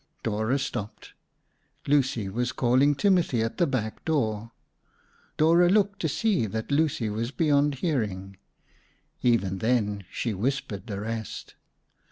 Dora stopped. Lucy was calling Timothy at the back door. Dora looked to see that Lucy was beyond hearing. Even then, she whispered the rest.